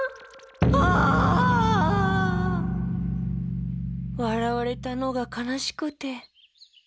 あ！わらわれたのがかなしくて。